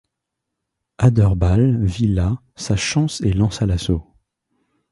Adherbal vit là sa chance et lança l'assaut.